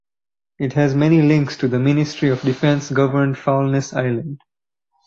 It has many community links to the Ministry of Defence-governed Foulness Island.